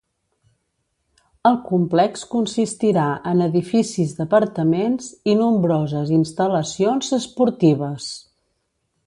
El complex consistirà en edificis d'apartaments i nombroses instal·lacions esportives.